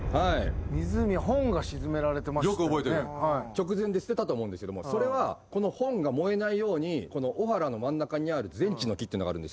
直前で捨てたと思うんですけどもそれはこの本が燃えないようにオハラの真ん中にある全知の樹ってのがあるんですけど。